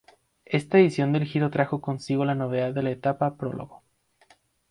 Esta edición del Giro trajo consigo la novedad de la etapa prólogo.